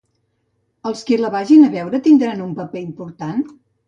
Els qui la vagin a veure, tindran un paper important?